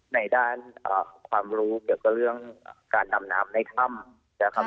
ในด้านความรู้เกี่ยวกับเรื่องการนำนำในค่ำ